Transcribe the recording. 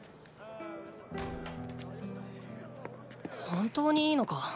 本当にいいのか？